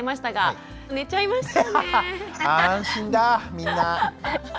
みんな。